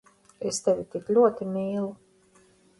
Es tevi tik ļoti mīlu…